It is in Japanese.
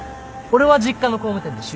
俺は実家の工務店で修業中。